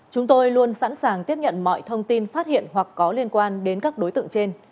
chúng tôi luôn sẵn sàng tiếp nhận mọi thông tin phát hiện hoặc có liên quan đến các đối tượng trên